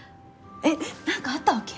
えっなんかあったわけ？